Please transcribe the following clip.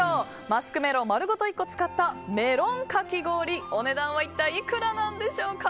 マスクメロン丸ごと１個使ったメロンかき氷お値段は一体いくらなんでしょうか。